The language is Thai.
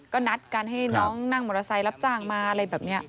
ก็นัดกันให้น้องนั่งมอเตอร์ไซค์รับจ้างมาอะไรแบบนี้